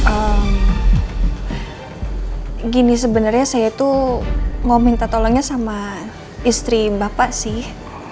eee gini sebenarnya saya tuh mau minta tolongnya sama istri bapak sih